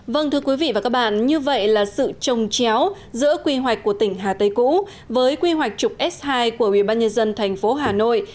vâng thưa quý vị và các bạn như vậy là sự trồng chéo giữa quy hoạch của tỉnh hà tây cũ với quy hoạch trục s hai của ubnd thành phố hà nội